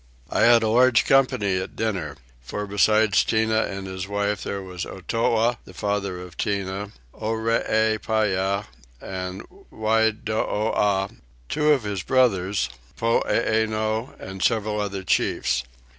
I had a large company at dinner; for besides Tinah and his wife there was Otow, the father of Tinah, Oreepyah, and Whydooah, two of his brothers, Poeeno, and several other chiefs.